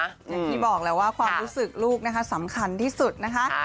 อย่างที่บอกแล้วว่าความรู้สึกลูกนะคะสำคัญที่สุดนะคะ